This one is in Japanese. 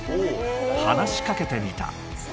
［話し掛けてみた］